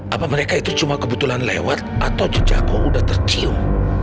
apa mereka itu cuma kebetulan lewat atau jejaknya udah tercium